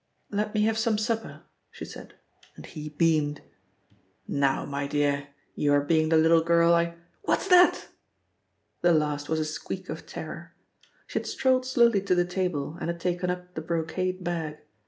"Let me have some supper," she said, and he beamed. "Now, my dear, you are being the little girl I what's that?" The last was a squeak of terror. She had strolled slowly to the table and had taken up the brocade bag.